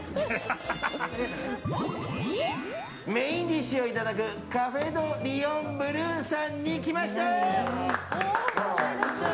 メインディッシュをいただくカフェドリオンブルーに来ました！